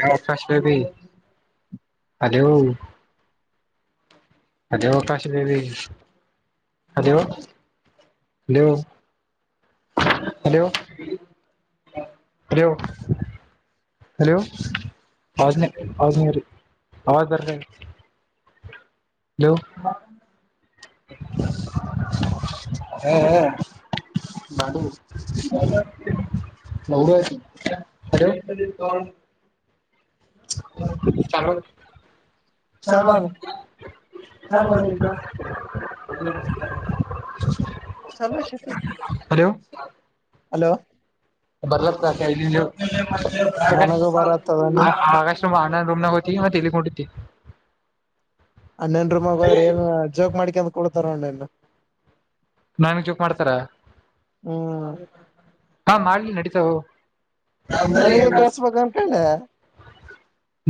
ಯಾವ [unintelligible] ಅಲೋ ಅದೋ ಕಾಶೇವಿ hello hello hello hello hello [unintelligible] hello ಹ [inaudible] ಮಾಡ ನ ಆ್ತು ಹಲೋ [inaudible] ಹ ಚ [inaudible] ಚಲ ಚಲೋ [inaudible] ಅದ ಚಲೋ ಅದ ಈಗ ಸಮರ್ಷ [unintelligible] ಹ [inaudible] ಹಲೋ ಬದಲ ಕ ನನಗೂ ಬರತ್ತದ ಮಗಾಷ್ಟ್ರಮ ಆನ್ನ ರೂಮ ನ [unintelligible] ತಲ್ಲಿಿಕೊಂಡಿಿದ್ದ [unintelligible] ಆ ನೆನ್ ರೂಮ್ ಹೋದ್ರೆ ಏ ಜೋಕ್ ಮಾಡಿಕಾಂತ ಕೂತ್ಕುದರ ನನ್ ಚೋಕ್ ಮಾಡ್ತಾರ ಹ್ಮ್ ಹಾ ಮಾಡ್ಲಿ ನಡೀತಾವ ನನಗೆ ಕಳ್ಸ್ಬೇಕ ಅನ್ಕೊಂಡೆ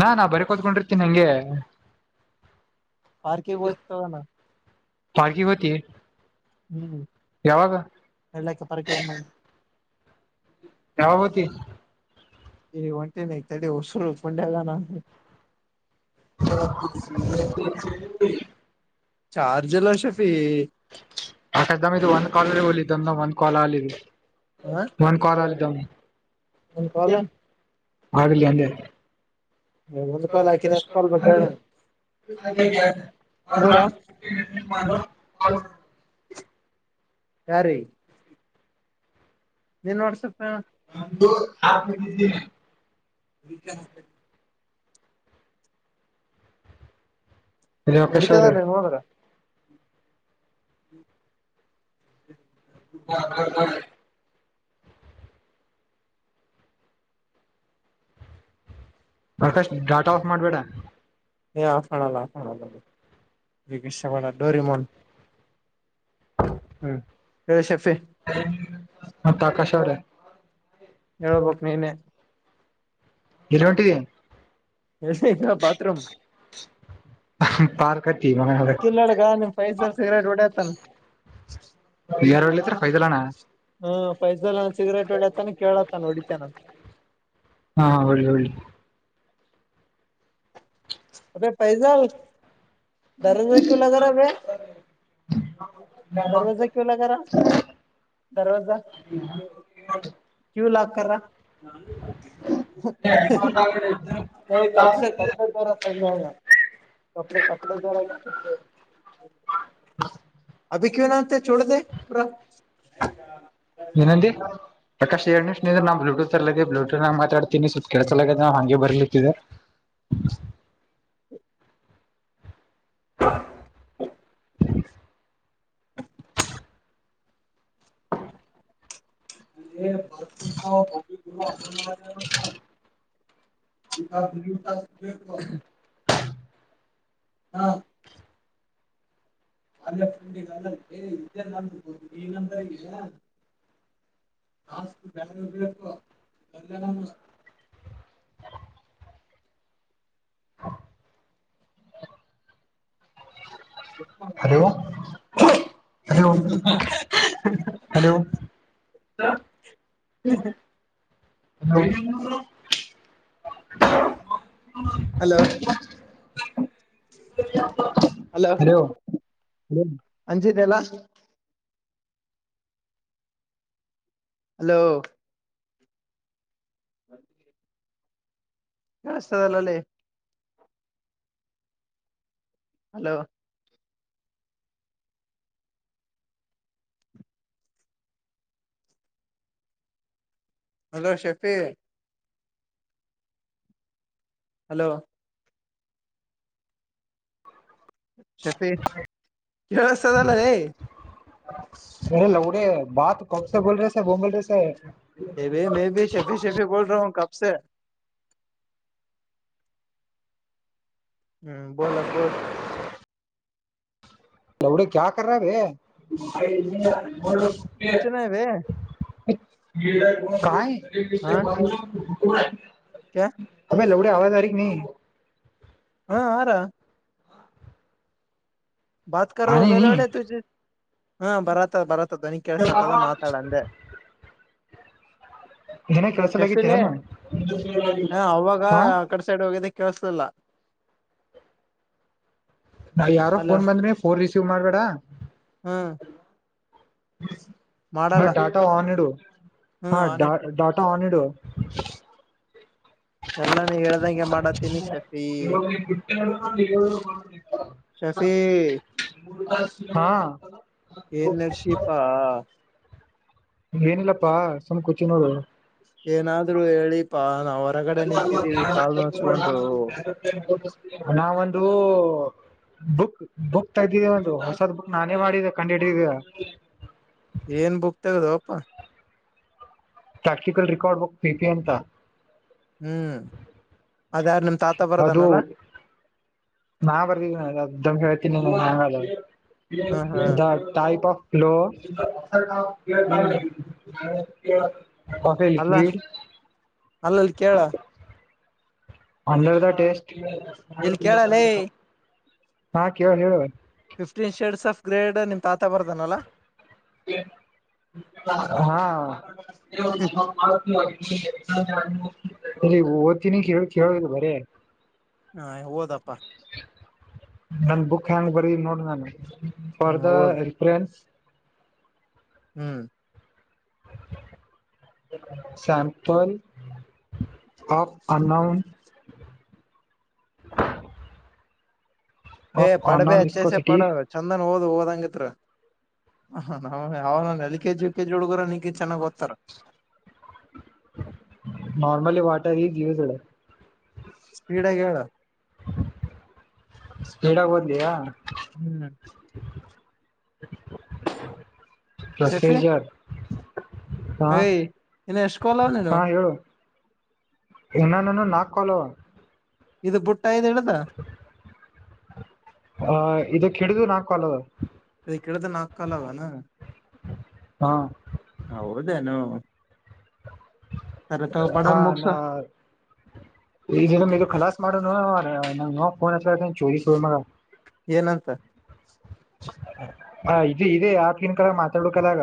ನಾನ ಬರಿಕುದ್ಕೊಂಡಿರ್ತೀನಿ ನಂಗೆ ಪಾರ್ಕಿಂಗ್ ವಯ್ತ್ ಹೊಗಣ ಪಾರ್ಕಿಗ್ ಹೊಯ್ತಿ ಹ್ಮ್ ಎಳ್ಳಕ್ಕೆ ಪರಾಕ್ಕೆ ಯಾವಗ್ ಬತ್ತಿ ಈಗ್ ಒಂಟೀನಿ ತಡಿ ಹುಸ್ರು ಪೊಂಡೆಲ್ಲ ನ [unintelligible] ಚಾರ್ಜಿಲ್ಲ ಶಫೀ [unintelligible] ಇದು ಒಂದ್ ಕಲ್ ಹಲಿದ್ದಂದ ಒಂದ್ ಕಾಲ್ ಆಲ ಇನ್ ಒಂದ್ ಒನ್ ಕಾಲ್ಆಲಿ ದಮ್ ಕಾಲ್ ಹಾಗಲಿ ಅಂದೆ ಒಂದ್ ಕಾಲ್ ಹಾಕಿನ ಎಷ್ಟು ಕಾಲ್ ಬೇಕಾ ಮೂರ ಯಾರಿ ನಿನ್ ಒಡ್ಸು ಹು ನಂದು ಆ ಪರಿಸ್ಥಿತಿ [unintelligible] ಇದು ಆಕಾಶ್ ಅವ್ರೆ ನಡಿತದಲ್ಲಾ ಹಿಂಗ್ ಹೋದ್ರೆ [unintelligible] ಪ್ರಕಾಶ್ ಡಾಟಾ ಆಫ್ ಮಾಡ್ಬೇಡ ಹೇ ಆಫ್ ಮಾಡಲ್ಲ ಅಫ್ ಮಾಡಲ್ಲ ಹಿಗಿಶ್ಅಬಡ ಡೋರಿ ಮೌಂಟ್ ಹ್ಮು ಎ ಶೆಫಿ ಮತ್ ಆಕಾಶವ್ರೇ ಹೇಳ್ಬಕ್ ನೀನೆ ಗಿರಟಿ ರಶ್ ಐತ ಬಾತ್ರುಮ್ ಪಾರ್ಕ್ ಹತ್ತಿ ಮಗನ ಕಿಲ್ಲನಡುಗ ನಿಮ್ ಫೈಸರ್ ಸಿಗರೇಟ್ ಹೊಡಿಯತನ್ ಬಿಎಾರ್ತಕ್ಕೆ ವೈದಿಲ್ಲಾಣ ಪೈಸಲ್ಲಣ ಸಿಗರೇಟ್ ಹೊಡಿಯತಾನ ಕೇಳತಾನ ಹೊಡಿತನಂತ ಹಾ ಒಳ್ಳೊಳ್ಳಿ ಅಬೆ ಪೈಸಲ್ ದರಜಕಲಾಗನೆ ಬೆ ದರ್ವಾಜಾ ಕ್ಯು ಲಗರ ದರ್ವಜ ಕು ಹೊಡ್ಲಿ ಕ್ಯೂ ಲಾಕರ್ ನ ಕಪಳೆ ಕಪಡೆ ತರ [unintelligible] ಕಪ್ಡೆ ಕಪ್ಡೆ ತರ [unintelligible] ಅದಿಕನಂತೆ ಏನಂದಿ ಪ್ರಕಾಶ್ ಎರ್ಡ್ ನಿಮ್ಷ ನಿಂದ್ರು ನಾ ಬ್ಲೂಟೂತ್ ಸರ್ಲಗೆ ಬ್ಲೂಟೂತ್ನಗೆ ಮಾತಾಡ್ತೀನಿ ಸಪ್ ಕೆಳ್ಸಲಗದೆ ಹಂಗೆ ಬರ್ಲಿತಿದ್ದೆ [unintelligible] [unintelligible] [inaudible] [unintelligible] ಹಾ [unintelligible] ಆಮೇ ಫಂಡಲ್ಲ ಇದ್ದೇ ನ ಈಗಂತಗ [unintelligible] hello hello hello [unintelligible] hello hello Anjit ದೆಲ್ಲಾ ಹಲೋ ಹ ಕೇಳಸ್ತದಿಲ್ಲಲ್ಲೇ ಹಲೋ ಹಲೋ ಶೆಫಿ ಹಲೋ ಶೆಪೀ ಕೇಳಸ್ತದಿಲ್ಲಲೇ ಅ ಲೌಡೆ ಬಾತ ಕೌಂಸೆ ಬೋಲ್ ರಸೆ ಬ ಬೋಲ್ ರ ಸ ಹೆ ಭೆ ಮೆ ಭಿ ಶೆಫಿ ಶಫಿ ಬೋಲ್ ರಾ ಹ ಕಬ್ಸೆ ಹ್ಮ್ ಬೋಲೋ ಬೋಲ ಲೌಡೆ ಕಾಯ ಕರರೆ ಬೇ ಕುಚ್ ನಹಿ ಬೆ ಕಾಯೆ ಹಾ ಕ್ಯಾ ಅಬೇ ಲೌಡೆ ಅವಾಜ ಹಾರಿ ನೈ ಹಾ ಆ ರಹಾ ಆ ಭಾತಕರೋ ರಹಿ ಬೇ ನಹಿ ಲೌಡೆ ತುಜೆ ಹಾ ಬರತ್ತದ ಬರತ್ತ ಧ್ವನಿ ಕೇಳ್ಸತ್ತದ ಮಾತಾಡ ಅಂದೆ ನಿನಗ್ ಶೆಫಿಲೆ ಕೆಲ್ಸಲಾಗಿತ್ತೇನು ಹ ಅವಾಗ ಹಾ ಆ ಕಡೆ ಸೈಡ್ ಹೋಗಿದ್ದ ಕೇಳಸಲ್ಲಿಲ ನಾ ಯಾರೋ ಫೋನ್ ಬಂದ್ರೆ ಫೋನ್ ರಿಸೀವ್ ಮಾಡ್ಬೇಡ ಹ್ಮ [inaudible] ಬೈ ಡಾಟಾ ಆನ್ ಇಡು ಹಾ ಹ್ಮ್ ಆನ್ ಇಟ್ಟೀನಿ ಡಾಟಾ ಆನ್ ಇಡು [unintelligible] ಎಲ್ಲಾನಿ ಹೇಳ್ದಂಗೆ ಮಾಡತ್ ಶಫಿ [unintelligible] ಹಾ ಏನ್ ನಡ್ಸಿಪಾ ಏನಿಲ್ಲಪ್ಪಾ ಸುಮ್ ಕುತಿವ ನೋಡು ಏನಾದ್ರು ಹೇಳಿಪಾ ನಾವ್ ಹೊರಗಡೆ ನಿಂತಿದ್ದೀವಿ ಕಾಲ್ ನೋಚ್ಕೊಂಡು ನಾವಂದು ಬುಕ್ ಬುಕ ತೆಗದಿದೆ ಒಂದು ಹೊಸದ್ ಬುಕ್ ನಾನೇ ಮಾಡಿದ್ದ ಕಂಡ ಇಡದ್ದಿದೆ ಏನ್ ಬುಕ್ ತೆಗದೊಪ್ಪಾ ಪ್ರಾಕ್ಟಿಕಲ್ ರಿಕಾರ್ಡ್ ಬೇಕೆ ಅಂತ ಹ್ಮ್ ಅದ್ಯಾರ್ ನಿಮ್ ತಾತ ಅದು ಬರದಾನಲ್ಲ ನಾ ಬರ್ದಿಲ್ಲ ದೂಡ್ಡ ಹೇಳ್ತೀನಲ್ಲ ಹಂಗ ಹ ಹಾ ದ ಟೈಪ್ ಆಫ್ ಫ್ಲೋ [inaudible] ಹ್ಮ್ ಅಲ್ಲ ಲಿಕ್ವಿಡ್ ಅಲ್ಲಲ್ಲಿ ಕೇಳ ಇಲ್ಲಿ ಕೇಳಲೇ [unintelligible] ಹಾ ಕೇಳ ಹೇಳ ಫಿಫ್ಟೀನ್ ಶೇಡ್ಸ್ ಆಫ್ ಗ್ರೇಡ್ ನಿಮ ತಾತ ಬರ್ದಾನಲ್ಲಾ ಕ್ಲೇ ಹಾ ಅಲ್ಲಿ ಓದ್ತೀನಿ ಕೇಳ ಕೇಳಿದು ಬರೇ ಹಾ ಓದಪ್ಪಾ ನನ್ ಬುಕ್ ಯಾಂಗ ಬರದಿನ ನೋಡ ನಾನು ಹ್ಮ್ ಓದ್ reference hmm sample of unknown [inaudible] ಏ ಆಫ್ ಪಡಬೇ ಅನ್ನೌನ್ ಅಚ್ಚಸೆ ಪಡ ವಿಸ್ಕೋಸಿಟಿ ಚಂದನ್ ಓದ ಓದಂಗಿತರ ಹ ನವೌನ ಯಾವನ L KG U K G ಹುಡುಗರ ನಿನಕಿತ ಚೆನ್ನಾಗ ಓದ್ತಾರ ನಾರ್ಮಲಿ ವಾಟರ್ ಈಜ ಯೂಸ್ಡ್ ಸ್ಪೀಡಾಗೇಳ ಸ್ಪೀಡಾಗಿ ಓದಲಿಯಾ ಹ್ಮ್ ಪ್ರೊಸೀಜರ್ ಹಾ ಏ ಇನ್ನ ಸ್ಕೂಲವ್ ನಿನ್ವು [unintelligible] ಇನ ನನ್ವು ನಾಲ್ಕಲಾವ. ಇದು ಬುಟ್ಟ ಇದು ಇಡುದ ಹ ಇದಕಿಡಿದು ನಾಲ್ಕಲವ. ಇದಕಿಡುಡ್ ನಾಕಾಲವನ ಹಾ ಹೌದೇನು ಸರಿ ತಗೋ ಹಾ ಬಡನ್ ಮುಗ್ಸ ನಾ ಈ ಕಲಾಸ್ ಮಾಡುನು [unintelligible] ಹೇ ನಫೋನ್ ಅ ಚೋರಿ ಸ ಏನಂತ ಹ ಇ ಇದದೆ ಯಾವ ಕ್ಲನ್ ಕರ ಮಾತಾಡ್ಕಲ್ಲಗ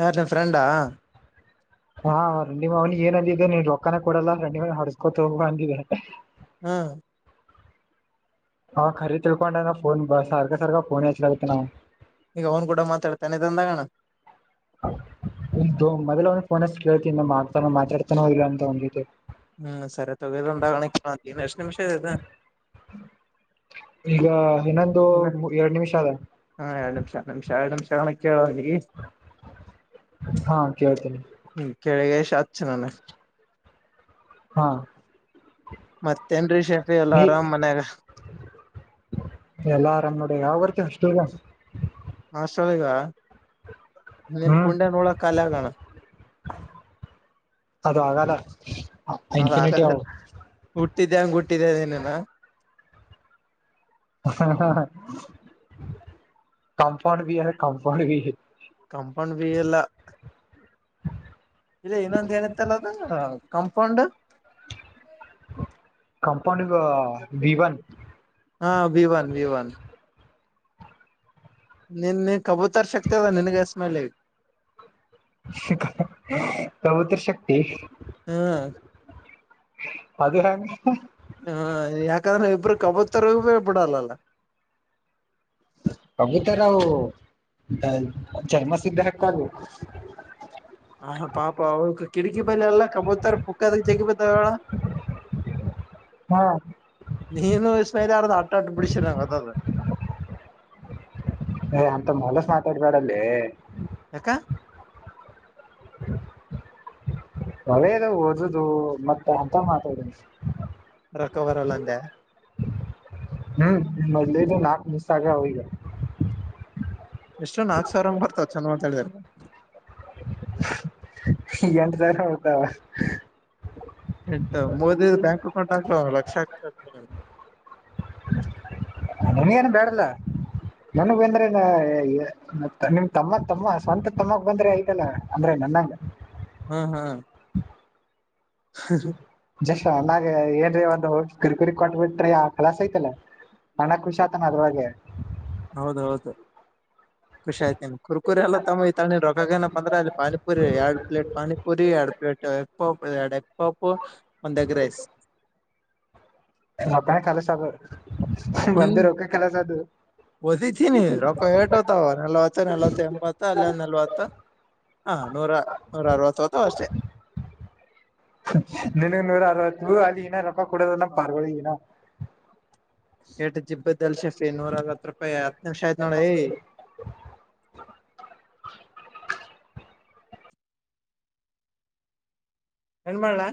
ಯಾರ್ ನಿನ್ ಫ್ರೆಂಡಾ ಹಾ [unintelligible] ಏನ ಅಂದಿದ್ದೆ ನೀನ್ ರೊಕ್ಕಾನ ಕೊಡಲ್ಲ [inaudible] [inaudible] ಹೊಡಸ್ಕೊತ ಹೋಗ ಅಂದಿದ್ದೆ ಹಾ ಹಾಖರಿ ತಿಳ್ಕೊಂಡ ಫೋನ್ ಬಾ ಸಾರಕ ಸಾರಕ ಫೋನ್ ಯಚ್ಚಲತಿ ನಾವು ಈಗ ಅವ್ನು ಕೂಡ ಮಾತಾಡ್ತೇನ್ ಇದೊಂದ್ ಆಗನ [unintelligible] ಮೊದಲ ಅವಂಗ ಫೋನ್ಅಚ್ಚಿ ಕೇಳ್ತಿನ್ತಾನ ಮಾತಾಡ್ತಾನ ಇಲ್ಲ ಅಂತ ಅವನ್ ಜೊತೆ. ಹ್ಮ್ ಸರಿ ತಗದಂದಾಗಣ ಕೇಳಂತ ಎಷ್ಟು ನಿಮಿಷ ಈಗ ಇನ್ನೊಂದು [unintelligible] ಎರಡ್ ನಿಮಿಷ ಅದ ಹ ಎರಡ್ ನಿಂಶ ನಿಮಿಷ ಎರಡ್ ನಿಂಶ ಅಗನ ಕೇಳಿಂತಿಗಿ ಹಾ [unintelligible] ಕೇಳ್ತೀನಿ ಹ್ಮ ಕೆಳಗೆಸಿ ಅಚ್ಚ ನನಗ್ ಹಾ ಮತ್ತೇನ್ರಿ ಶೆಫಿ ಎಲ್ಲ ನೀ ಆರಾಮ್ ಮನ್ಯಾಗ ಎಲ್ಲಾ ಆರಾಮ್ ನೋಡಿ ಯಾವ ಬರ್ತಿ ಅಸ್ತಲ್ಗ ಹಷ್ಟಲ್ ಈಗ ನೀನ್ ಹ್ಮ್ ಕುೂಂಡೆ ನೋಳಕಾಲ ಆಗಣ ಅದು ಆಗಲ ಅದ ಆಗಲ [unintelligible] ಹುಟ್ಟಿದೆಂಗ ಉಟ್ಟಿದ್ದೆ ಏನಿನ ಹ ಹ ಹ [unintelligible] ಕಂಫಂಡ ಬಿ ಯ ಕಂಫಂಡ ಕಂಪೌಂಡ್ ಬಿ ಇಲ್ಲ [unintelligible] ಇಲ್ಲ ಇನ್ನೊಂದ ಏನಿತ್ತಲ್ಲ ಅದ ಕಂಪೌಂಡ್ ಕಂಪೌಂಡ ವಿವನ್ ಹಾ [unintelligible] ವಿ ಒನ್ ವಿ ಒನ್ ನಿನ್ ಕಬೂತರ್ ಶಕ್ತಿ ಅದ ನಿನ್ಗೆ ಎಸ್ಮೈಲ್ಗ್ [unintelligible] ಕವುತ ಶಕ್ತಿ ಹಾ ಅದ ಹೆಂಗ ಹ ಯಾಕಂದ್ರೆ ಇಬ್ರು ಕಬತ್ತರಗೂ ಬಿಡಲ್ಲಲ್ಲ. ಕಬುತರ್ ಅವ್ರ [unintelligible] ಚರ್ಮ ಸಿದ್ಧ ಹಕ್ಕವು. ಹಾ ಪಾಪ ಅವ್ ಕಿಟಕಿ ಬಲ್ಲಿ ಎಲ್ಲ ಕಬೂತರ್ ಪುಕ್ಕೆಡುಕ್ ಜಗಿ ಬಿದ್ದವು ಹೇಳ ಹಾ ನೀನು ವಿಸ್ಮಲೆ ಯರ ಅಟಾಟ ಪಿಡಿಸಿರಂಗತ್ತ ಅ [unintelligible] [unintelligible] ಹೆ ಮಾತಾಡಬೇಡಲೇ ಯಕ [inaudible] [unintelligible] ಬರಿ ಅದೇ ಓದದು ಮತ್ತೆ ಅಂತವ್ ಮಾತಾಡ ರಕ್ಕಬರಲ್ಲಂಡ್ಯ ಹ್ಮ್ ಮೊದ್ಲೇ ನಾಕ ಮಿಸ್ ಆಗ್ಯಾವ್ ಈಗ [unintelligible] ಎಷ್ಟೊ ನಾಕ್ ಸಾವಿರ ಹಂಗ್ ಬರ್ತಾವ ಚಂದ ಮಾತಾಡಿದ್ರ. [unintelligible] ಎಂಟು ಬೇಕಾ ಹುಟ್ಟಾವ ಎಂಟ ಮೋದಿ ಬ್ಯಾಂಕ್ ಅಕೌಂಟ್ ಹಾಕ್ಲ ಲಕ್ಷ ಹಾಕ್ತತಾರೆ ನಿನಗೇನು ಬ್ಯಾಡಲ ನನ್ಗ್ ಬಂದ್ರೆ ನ ನಿಮ್ ತಮ್ಮ ತಮ್ಮ ಸ್ವಂತ ತಮ್ಮಗ್ ಬಂದ್ರೆ ಐತಲ್ಲ ಅಂದ್ರೆ ನನಗ ಹ್ಮ್ ಹ್ಮ್ [inaudible] ಜಸ್ಟ್ ಅಣ್ಣಗೆ ಏನ್ರೀ ಒಂದು ಕಿರಿಕುರಿ ಕೊಟ್ ಬಿಟ್ರಿ ಆ ಕಲಾಸ ಐತಲ್ಲ ಅಣ್ಣ ಖುಷಿಯಾತಣ್ಣ ಅದ್ರಲ್ಲಿ ಹೌದ ಹೌದು ಖುಷಿ ಆಯ್ತ ನಿಮಗೆ ಕುರ್ಕುರೆ ಎಲ್ಲ ತಕೊಂಡು ತಕೊಳ್ಳಿ ರೊಕ್ಕಾಗೆ ಏನಪ್ಪಾ ಅಂದ್ರೆ ಪಾನಿಪುರಿ ಎರಡು ಪ್ಲೇಟ್ ಪಾನಿಪುರಿ ಎರಡು ಪ್ಲೇಟ್ ಎರಡು ಎಗ್ ಪುಫ್ ಒಂದು ಎಗ್ ರೈಸ್ ನಾವು ಕಾಲೇಜ್ ಗೆ ಅಡ್ಜಸ್ಟ್ ಆಗಬೇಕು ಒಂದೇ ರೊಕ್ಕ ಕಾಲೇಜು ಅದು ಹೊದಿತೀನಿ ರೊಕ್ಕ ಏಟುತ ನಲವತ್ತು ನಲವತ್ತು ಎಂಬತ್ತು ಅಲ್ಲಿ ಒಂದು ನಲವತ್ತು ಹಾ ನೂರ ನೂರ ಅರವತ್ತು ಅಷ್ಟೆ ನಿನಗ್ ನೂರ ಅರವತ್ತು ಅಲ್ಲಿ ಇನ್ನ ರೊಕ್ಕ ಕೊಡೋದಲ್ಲ ಪಾರ್ಗೊಳ್ಳಳಿಗನ ಎಟು ಜಿಬ್ಬದ ಅಲ್ ಶೆಫಿ ನೂರಅರವತ್ ರೂಪಾಯಿ ಹತ್ ನಿಮಿಷ ಆಯ್ತ ನೋಡ್ ಹೇ [inaudible] ಏನ್ ಮಾಡಲ್ಲ